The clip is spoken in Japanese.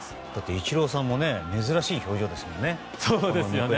イチローさんも珍しい表情ですもんね。